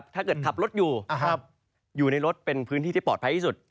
ขับรถอยู่อยู่ในรถเป็นพื้นที่ที่ปลอดภัยที่สุด